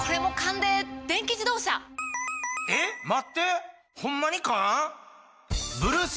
・正解音えっ待って⁉ホンマに勘？